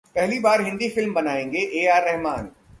पहली बार हिंदी फिल्म बनाएंगे एआर रहमान